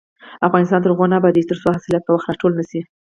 افغانستان تر هغو نه ابادیږي، ترڅو حاصلات په وخت راټول نشي.